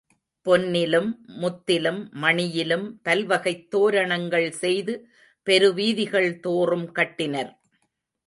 பொன்னிலும் முத்திலும் மணியிலும் பல்வகைத் தோரணங்கள் செய்து பெரு வீதிகள் தோறும் கட்டினர்.